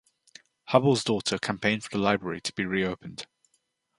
Hubbell's daughter campaigned for the library to be reopened.